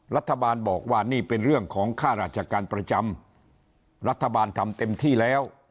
รัฐบาลบอกว่านี่เป็นเรื่องของค่าราชการประจำรัฐบาลทำเต็มที่แล้ว